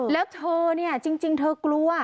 แล้วเธอจริงเธอกลัว